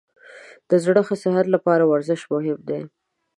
د زړه ښه صحت لپاره ورزش مهم دی.